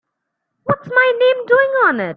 What's my name doing on it?